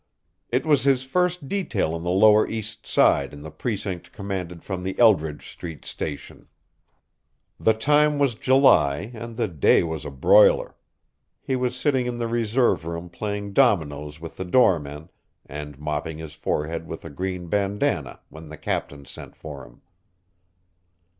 It was his first detail on the lower east side in the precinct commanded from the Eldridge street station. The time was July and the day was a broiler. He was sitting in the reserve room playing dominoes with the doorman and mopping his forehead with a green bandana when the captain sent for him.